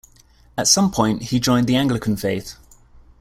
At some point he joined the Anglican faith.